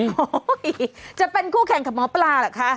โอ้โหจะเป็นคู่แข่งกับหมอปลาเหรอคะ